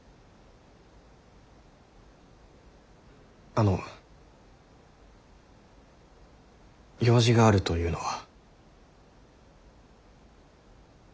あの用事があるというのは？